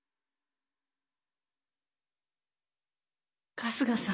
春日さん。